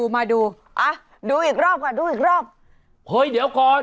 มาดูอ่ะดูอีกรอบก่อนดูอีกรอบเฮ้ยเดี๋ยวก่อน